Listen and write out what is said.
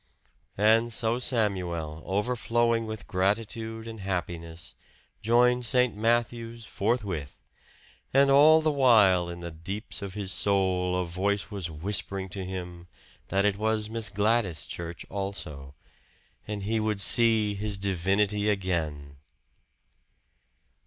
And so Samuel, overflowing with gratitude and happiness, joined St. Matthew's forthwith; and all the while in the deeps of his soul a voice was whispering to him that it was Miss Gladys' church also! And he would see his divinity again!